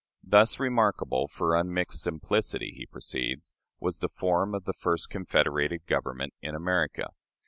"Thus remarkable for unmixed simplicity" (he proceeds) "was the form of the first confederated government in America....